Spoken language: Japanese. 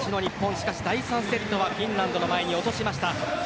しかし、第３セットはフィンランドの前に落としました。